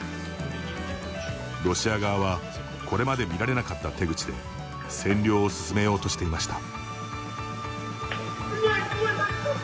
ロシア側はこれまで見られなかった手口で占領を進めようとしていました。